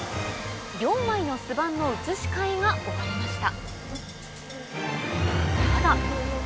４枚の巣板の移し替えが終わりました